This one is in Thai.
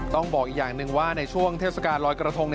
ต้องบอกอีกอย่างหนึ่งว่าในช่วงเทศกาลลอยกระทง